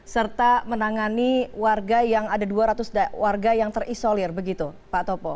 serta menangani warga yang ada dua ratus warga yang terisolir begitu pak topo